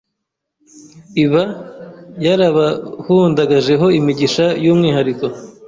iba yarabahundagajeho imigisha y’umwihariko